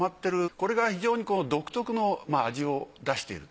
これが非常に独特の味を出している。